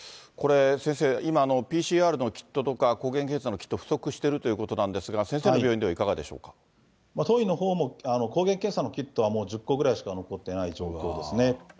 これ、先生、今、ＰＣＲのキットとか、抗原検査のキット、不足しているということなんですが、先生の病院ではいかがでしょ当院のほうも、抗原検査のキットはもう１０個ぐらいしか残ってない状況ですね。